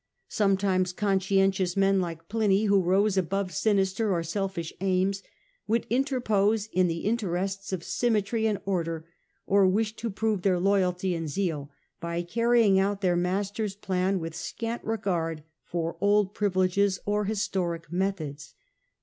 Sometimes con scientious men like Pliny, who rose above sinister or selfish aims, would interpose in the interests of symmetry and order, or wished to prove their loyalty and zeal by carrying out their master's plans with scant regard for old privileges or historic methods.